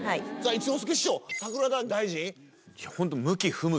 一之輔師匠桜田大臣。